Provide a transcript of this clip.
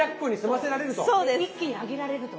一気に揚げられると。